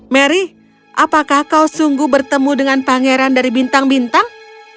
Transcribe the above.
mary apakah kau sungguh bertemu dengan pangeran dari bintang bintang